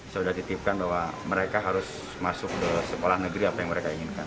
sudah titipkan bahwa mereka harus masuk ke sekolah negeri apa yang mereka inginkan